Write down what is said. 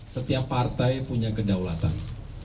setiap partai punya kedaulatan